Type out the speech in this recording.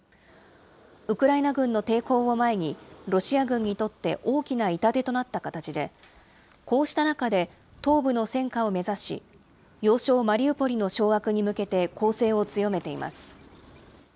ウクライナ軍の抵抗を前に、ロシア軍にとって大きな痛手となった形で、こうした中で東部の戦果を目指し、要衝マリウポリの掌握に向けて攻